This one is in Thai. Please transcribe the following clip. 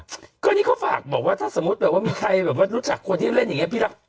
อันนี้เขาฝากบอกว่าถ้ามีใครรู้จักคนที่เล่นอย่างนี้